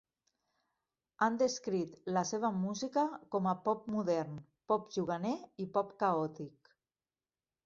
Han descrit la seva música com a pop modern, pop juganer i pop caòtic.